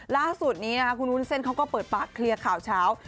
ล่าสุดนี้นะคะคุณวุ้นเส้นเขาก็เปิดปากเคลียร์ข่าวเช้า